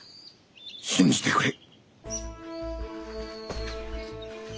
信じてくれ。